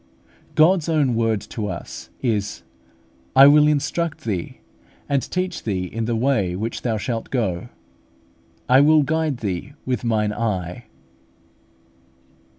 God's own word to us is, "I will instruct thee, and teach thee in the way which thou shalt go: I will guide thee with mine eye" (Ps.